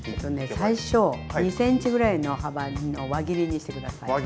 最初２ｃｍぐらいの幅の輪切りにして下さい。